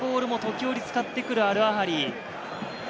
長いボールも時折使ってくるアルアハリ。